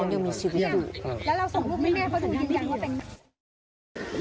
เพื่อนบ้านเจ้าหน้าที่อำรวจกู้ภัย